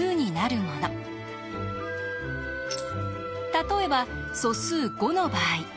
例えば素数５の場合。